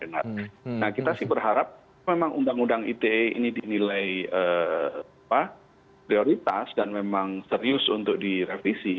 nah kita sih berharap memang undang undang ite ini dinilai prioritas dan memang serius untuk direvisi